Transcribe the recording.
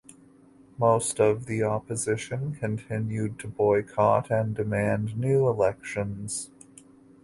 Most of the opposition continued to boycott and demand new elections.